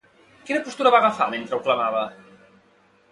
Quina postura va agafar, mentre ho clamava?